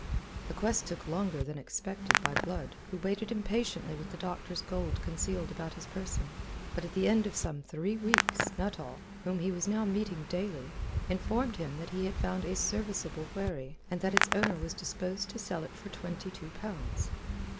The quest took longer than was expected by Blood, who waited impatiently with the doctor's gold concealed about his person. But at the end of some three weeks, Nuttall whom he was now meeting daily informed him that he had found a serviceable wherry, and that its owner was disposed to sell it for twenty two pounds.